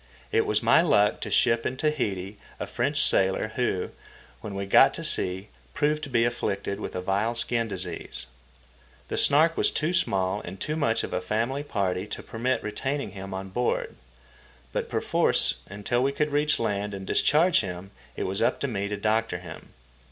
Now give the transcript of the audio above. It was my luck to ship in Tahiti a French sailor, who, when we got to sea, proved to be afflicted with a vile skin disease. The Snark was too small and too much of a family party to permit retaining him on board; but perforce, until we could reach land and discharge him, it was up to me to doctor him.